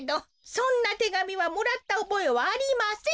そんなてがみはもらったおぼえはありません！